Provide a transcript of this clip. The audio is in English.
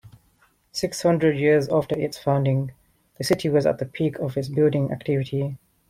Six hundred years after its founding, the city was at the peak of its building activity.